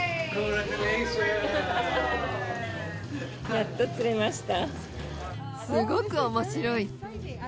やっと釣れました。